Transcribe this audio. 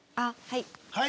はい。